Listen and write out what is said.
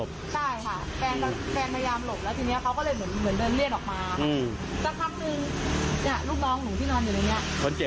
เขาก็เลยโดนไม้